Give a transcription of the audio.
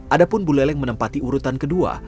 adapun buleleng menempati urutan kedua